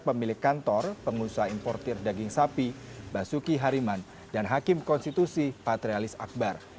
pemilik kantor pengusaha importir daging sapi basuki hariman dan hakim konstitusi patrialis akbar